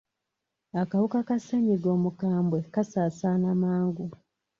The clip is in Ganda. Akawuka ka ssenyiga omukambwe kasaasaana mangu.